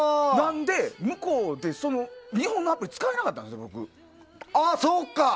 なんで、向こうでその日本のアプリ使えなかったんですよ、ああ、そうか。